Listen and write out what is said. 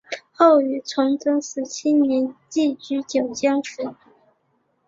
后于崇祯十七年寄居九江府。